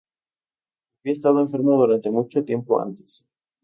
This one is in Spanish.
Había estado enfermo durante mucho tiempo antes.